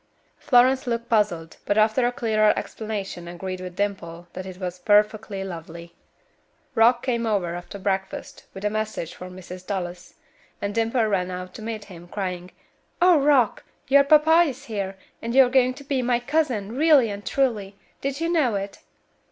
Florence looked puzzled, but after a clearer explanation agreed with Dimple that it was "perfectly lovely." Rock came over after breakfast, with a message for Mrs. Dallas, and Dimple ran out to meet him, crying, "Oh, Rock! your papa is here, and you are going to be my cousin, really and truly. Did you know it?"